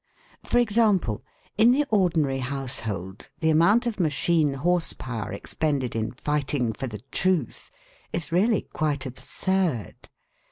For example, in the ordinary household the amount of machine horse power expended in fighting for the truth is really quite absurd.